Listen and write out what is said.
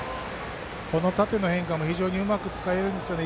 この縦の変化も非常にうまく使ってますよね。